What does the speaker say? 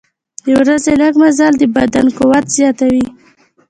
د ورځې لږ مزل د بدن قوت زیاتوي.